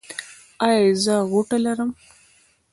ایا زه غوټه لرم؟